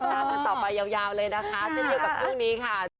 ติดตามต่อไปยาวเลยนะคะเส้นเดียวกับพรุ่งนี้ค่ะ